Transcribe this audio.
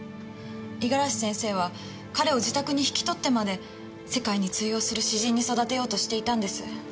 五十嵐先生は彼を自宅に引き取ってまで世界に通用する詩人に育てようとしていたんです。